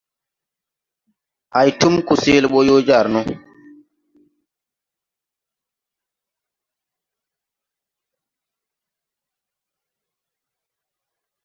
Hay túm ko sɛɛle bɔ yo jar no.